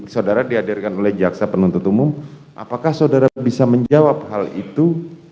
saudara dihadirkan oleh jaksa penuntut umum apakah saudara bisa menjawab hal itu